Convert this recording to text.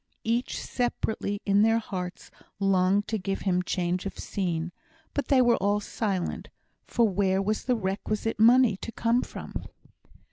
Each separately in their hearts longed to give him change of scene, but they were all silent, for where was the requisite money to come from?